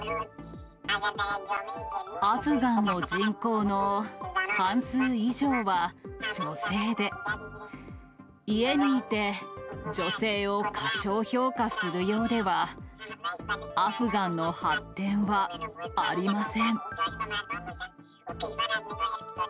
アフガンの人口の半数以上は女性で、家にいて、女性を過小評価するようでは、アフガンの発展はありません。